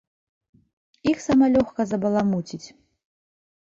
Іх сама лёгка забаламуціць!